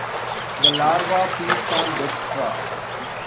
The larva feeds on bedstraw.